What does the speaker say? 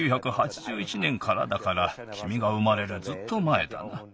１９８１年からだからきみが生まれるずっとまえだな。